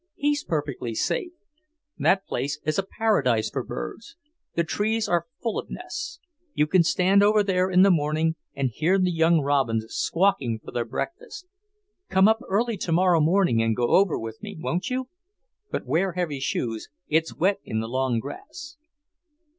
"He's perfectly safe. That place is a paradise for birds. The trees are full of nests. You can stand over there in the morning and hear the young robins squawking for their breakfast. Come up early tomorrow morning and go over with me, won't you? But wear heavy shoes; it's wet in the long grass."